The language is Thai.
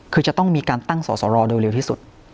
คือจะต้องมีการตั้งสอสรโดยเร็วที่สุด